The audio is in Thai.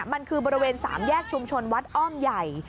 มันคือบริเวณ๓แยกชุมชนวัดอ้อมใหญ่